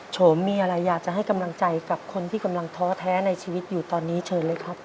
โฉมมีอะไรอยากจะให้กำลังใจกับคนที่กำลังท้อแท้ในชีวิตอยู่ตอนนี้เชิญเลยครับ